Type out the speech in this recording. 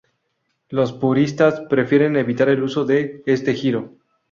Los puristas prefieren evitar el uso de este giro.